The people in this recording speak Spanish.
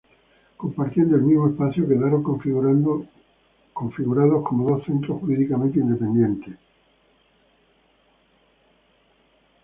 Compartiendo el mismo espacio quedaron configurados como dos centros jurídicamente independientes: La Salle Ntra.